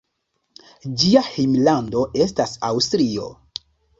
Ĝia hejmlando estas Aŭstralio.